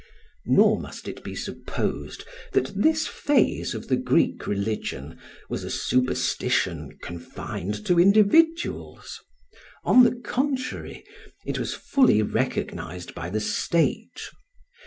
Nor must it be supposed that this phase of the Greek religion was a superstition confined to individuals; on the contrary, it was fully recognised by the state.